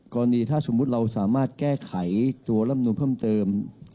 กรณีถ้าสมมุติเราสามารถแก้ไขตัวร่ำนูนเพิ่มเติม